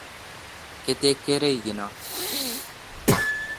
کتیک کرائ گینان؟